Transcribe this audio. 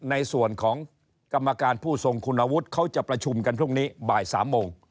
ในส่วนของกรรมการผู้ทรงคุณวุฒิเขาจะประชุมกันพรุ่งนี้บ่าย๓โมง